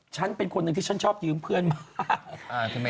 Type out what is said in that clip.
ฉันเป็นคนหนึ่งที่ฉันชอบยืมเพื่อนมาก